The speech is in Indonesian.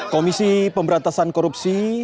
komisi pemberantasan korupsi